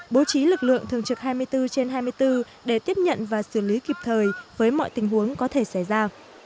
bố trí lực lượng thường trực hai mươi bốn trên hai mươi bốn để tiếp nhận và xử lý kịp thời với mọi tình huống có thể xảy ra